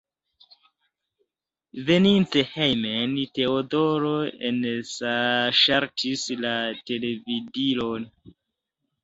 Veninte hejmen, Teodoro enŝaltis la televidilon.